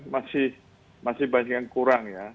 masih banyak yang kurang ya